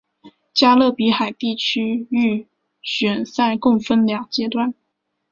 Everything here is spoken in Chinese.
加勒比海地区预选赛共分两阶段。